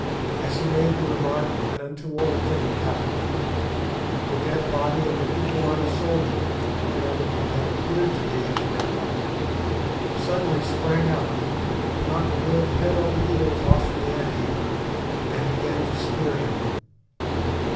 As he made the remark, an untoward thing happened. The dead body of the Kukuana soldier, or rather what had appeared to be his dead body, suddenly sprang up, knocked Good head over heels off the ant heap, and began to spear him.